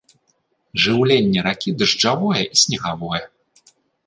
Жыўленне ракі дажджавое і снегавое.